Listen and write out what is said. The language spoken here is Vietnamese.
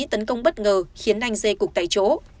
tấn công bất ngờ khiến anh dê cục tại chỗ